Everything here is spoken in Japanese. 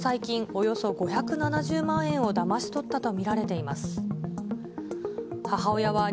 およそ５７０万円をだまし取ったと見られています。